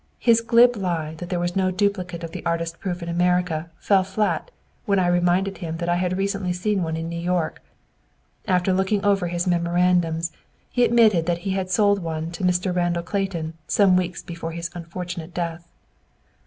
His glib lie that there was no duplicate of the artist proof in America fell flat when I reminded him that I had recently seen one in New York. After looking over his memorandums, he admitted that he had sold one to Mr. Randall Clayton some weeks before his unfortunate death.